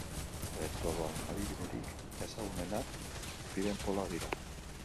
Elektrodoen adibiderik ezagunenak pilen poloak dira.